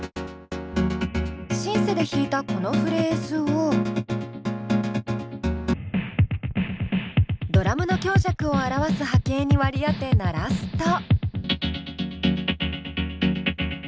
シンセで弾いたこのフレーズをドラムの強弱を表す波形に割り当て鳴らすと。